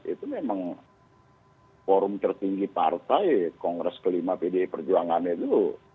itu memang forum tertinggi partai kongres kelima pdi perjuangan itu